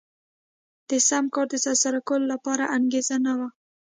د سم کار د ترسره کولو لپاره انګېزه نه وه.